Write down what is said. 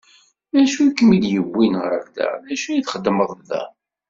D acu i kem-id-yewwin ɣer da, d acu i txeddmeḍ da?